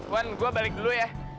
wan gue balik dulu ya